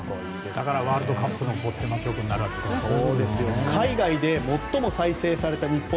だからワールドカップの曲になるわけですね。